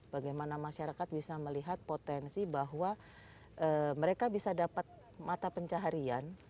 bagaimana masyarakat bisa melihat potensi bahwa mereka bisa dapat mata pencaharian